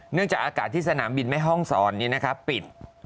เนื่องจากอากาศที่สนามบินแม่ฮ่องศรปิด